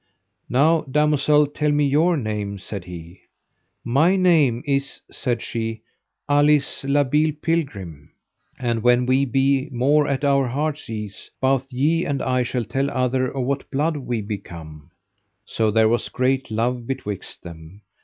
Now, damosel, tell me your name, said he. My name is, said she, Alice la Beale Pilgrim. And when we be more at our heart's ease, both ye and I shall tell other of what blood we be come. So there was great love betwixt them.